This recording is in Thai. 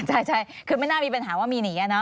อ่าใช่คือไม่น่ามีปัญหาว่ามีหนีเนอะ